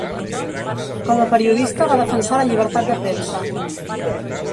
Com a periodista va defensar la llibertat de premsa.